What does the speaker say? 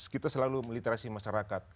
kita selalu meliterasi masyarakat